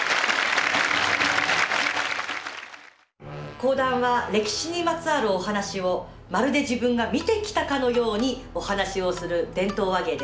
講談は歴史にまつわるお話をまるで自分が見てきたかのようにお話をする伝統話芸です。